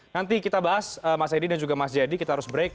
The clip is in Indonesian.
nanti kita bahas mas edi dan juga mas jayadi kita harus break